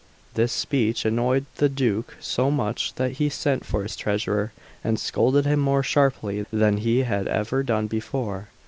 This speech annoyed the Duke so much that he sent for his treasurer, and scolded him more sharply than he had ever done before.